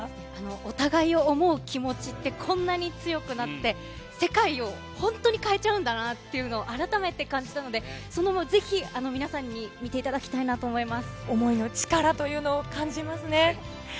お互いを想う気持ちってこんなに強くなって、世界を本当に変えちゃうんだなっていうのを改めて感じたので、その分、ぜひ、皆さんに見ていただきたいなと思います。